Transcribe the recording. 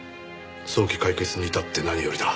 早期解決に至って何よりだ。